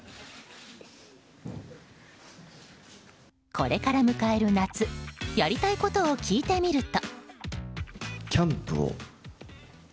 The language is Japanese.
これから迎える夏やりたいことを聞いてみると。